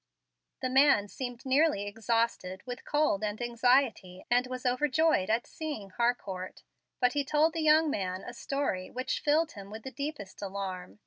The man seemed nearly exhausted with cold and anxiety, and was overjoyed at seeing Harcourt; but he told the young man a story which filled him with deepest alarm.